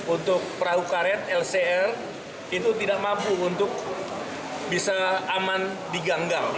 untuk perahu karet lcr itu tidak mampu untuk bisa aman diganggal